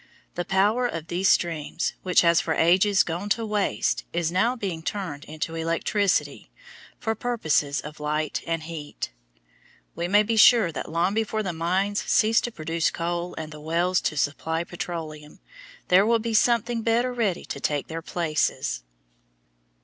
The power of these streams, which has for ages gone to waste, is now being turned into electricity for purposes of light and heat. We may be sure that long before the mines cease to produce coal and the wells to supply petroleum, there will be something better ready to take their places.